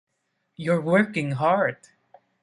You’re working hard.